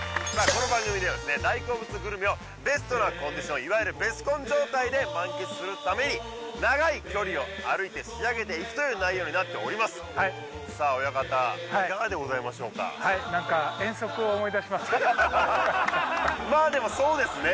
この番組ではですね大好物グルメをベストなコンディションいわゆるベスコン状態で満喫するために長い距離を歩いて仕上げていくという内容になっておりますさあ親方いかがでございましょうかはい何かまあでもそうですね